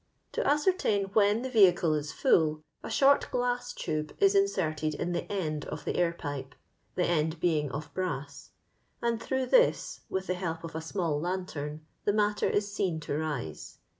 To asoenain when the LONDON LABOUR AND THE LONDON POOR. 445 vehicle is full, a short |^las8 tube is inserted in the end of the air pipe (the end being of brass), and through this, with the help of a small lantern, the matter is seen to rise.